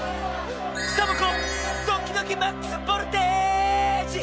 サボ子ドキドキマックスボルテージ！